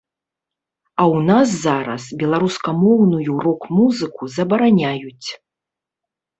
А ў нас зараз беларускамоўную рок-музыку забараняюць.